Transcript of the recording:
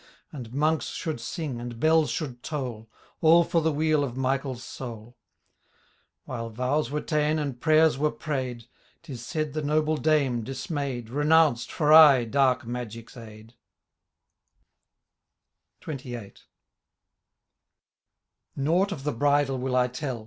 And Monks should sing, and bells should toll. All for the weal of MichaePs soul. While vows were ta'en, and prayers were prav'd^ Tis said the noble dame, di^ay^d. Renounced, for aye, dark magic*s aid* XXVIIl. Nought of the bridal will I tell.